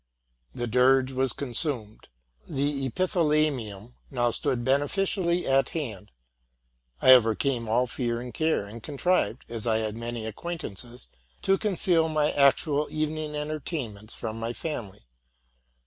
The dirge was consumed; the epithalamium now stood beneficially at hand: I overcame all fear and care, and con trived, as I had many acquaintances, to conceal my actual evening entertainments from my family.